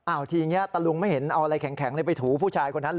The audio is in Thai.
ทีนี้ตะลุงไม่เห็นเอาอะไรแข็งไปถูผู้ชายคนนั้นเลย